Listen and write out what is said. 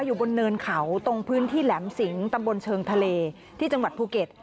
อยู่บนเนินเขาตรงพื้นที่แหลมสิงตำบลเชิงทะเลที่จังหวัดภูเก็ต